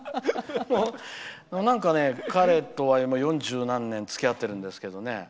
なんかね、彼とは四十何年付き合ってるんですけどね。